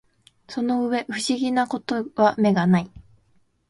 その上不思議な事は眼がない